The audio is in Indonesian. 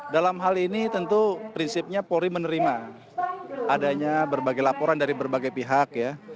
dalam hal ini tentu prinsipnya polri menerima adanya berbagai laporan dari berbagai pihak ya